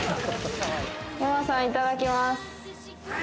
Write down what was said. ママさん、いただきます。